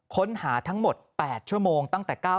ค้นหาทั้งหมด๘ชั่วโมงตั้งแต่๙๐